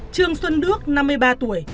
trương xuân đức năm mươi ba tuổi